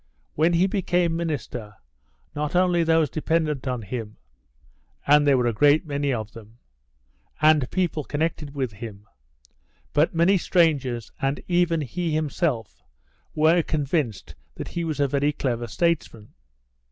When he became minister, not only those dependent on him (and there were great many of them) and people connected with him, but many strangers and even he himself were convinced that he was a very clever statesman.